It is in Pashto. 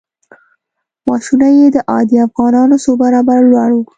معاشونه یې د عادي افغانانو څو برابره لوړ وو.